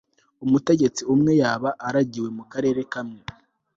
umutegetsi umwe yabaga aragiwe mu karere kamwe